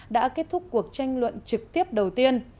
đã kết thúc cuộc tranh luận trực tiếp đầu tiên